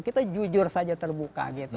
kita jujur saja terbuka gitu